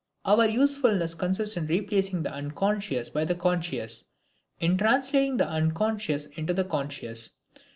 Our usefulness consists in replacing the unconscious by the conscious, in translating the unconscious into the conscious.